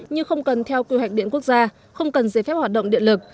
như không cần theo quy hoạch điện quốc gia không cần giấy phép hoạt động điện lực